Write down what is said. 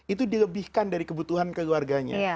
itu dilebihkan dari kebutuhan keluarganya